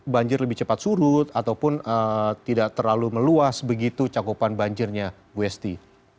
banjir lebih cepat surut ataupun tidak terlalu meluas begitu cakupan banjirnya bu esti